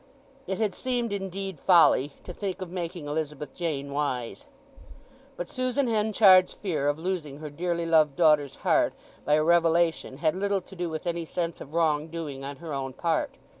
It had seemed, indeed folly to think of making Elizabeth Jane wise. But Susan Henchard's fear of losing her dearly loved daughter's heart by a revelation had little to do with any sense of wrong doing on her own part.